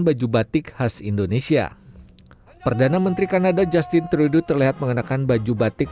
baju batik khas indonesia perdana menteri kanada justin trudeau terlihat mengenakan baju batik